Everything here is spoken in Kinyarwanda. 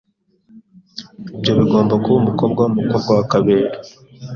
Ibyo bigomba kuba umukobwa wumukobwa wa Kabera.